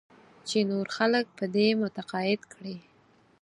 چې نور خلک په دې متقاعد کړې.